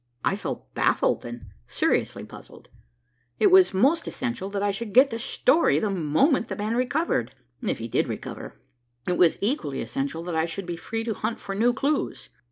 I felt baffled and seriously puzzled. It was most essential that I should get the story the moment the man recovered, if he did recover. It was equally essential that I should be free to hunt for new clues.